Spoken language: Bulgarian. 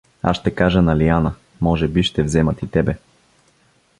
Аз ще кажа на Лиана, може би ще вземат и тебе.